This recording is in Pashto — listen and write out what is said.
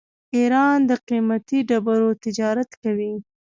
ایران د قیمتي ډبرو تجارت کوي.